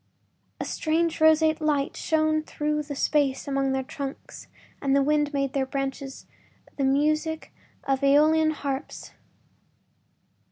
A strange roseate light shone through the spaces among their trunks and the wind made in their branches the music of AEolian harps.